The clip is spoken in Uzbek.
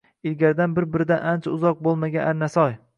Ilgaridan bir-biridan uncha uzoq boʻlmagan Arnasoy